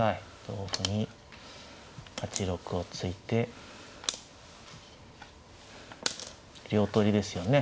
同歩に８六を突いて両取りですよね。